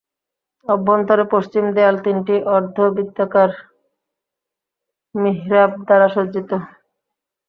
অভ্যন্তরে পশ্চিম দেয়াল তিনটি অর্ধবৃত্তাকার মিহরাব দ্বারা সজ্জিত।